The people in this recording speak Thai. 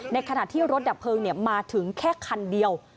ในขณะที่รถดับเพลิงมาถึงแค่คันเดียว